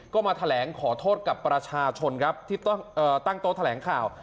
ก็มาแถลงขอโทษกับประชาชนครับที่ตั้งโต๊ะแถลงข่าว